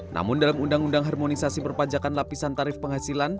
namun dalam undang undang harmonisasi perpajakan lapisan tarif penghasilan